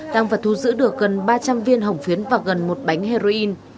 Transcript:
tăng vật thu giữ được gần ba trăm linh viên hồng phiến và gần một bánh heroin